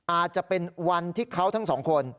อาจจะเป็นวันที่เขาทั้งสองคน